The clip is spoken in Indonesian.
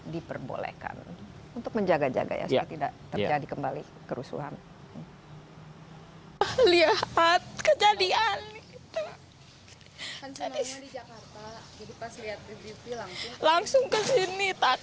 diperbolehkan untuk menjaga jaga ya supaya tidak terjadi kembali kerusuhan